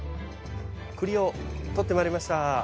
栗を採ってまいりました。